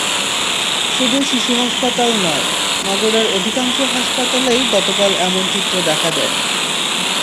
শুধু শিশু হাসপাতাল নয়, নগরের অধিকাংশ হাসপাতালেই গতকাল এমন চিত্র দেখা যায়।